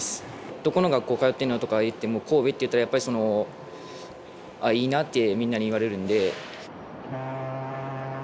「どこの学校通ってんの？」とか言っても「神戸」って言ったらやっぱりその「あっいいな」ってみんなに言われるんで。